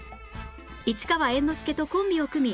市川猿之助とコンビを組み